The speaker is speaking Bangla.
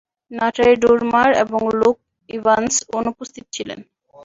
নাটালি ডোরমার এবং লুক ইভান্স অনুপস্থিত ছিলেন।